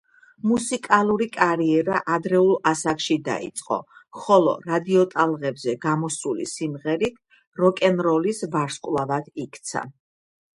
მუსიკალური კარიერა ადრეულ ასაკში დაიწყო, ხოლო რადიოტალღებზე გამოსული სიმღერით როკენროლის ვარსკვლავად იქცა.